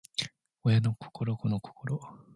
親の心子の心